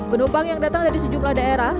penumpang yang datang dari sejumlah daerah